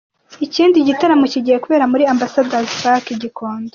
Ikindi gitaramo kigiye kubera muri Ambassador's Park i Gikondo.